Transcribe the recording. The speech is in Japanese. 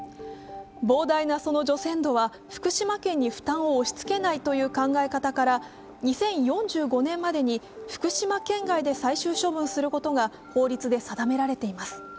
膨大なその除染土は福島県に負担を押しつけないという考え方から２０４５年までに福島県外で最終処分することが法律で定められています。